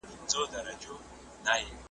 د هغه غرور په دام کي بندیوان سي .